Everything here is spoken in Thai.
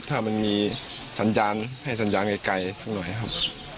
ถ้ามันมีสัญญาณให้สัญญาณไกลสักหน่อยครับ